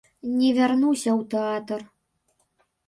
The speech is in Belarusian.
Не вярнуся ў тэатр!